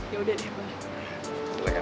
ya udah deh mbak